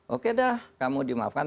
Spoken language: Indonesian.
oke dah kamu dimaafkan